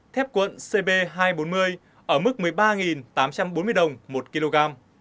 thép quận cb hai trăm bốn mươi ở mức một mươi ba tám trăm bốn mươi đồng một kg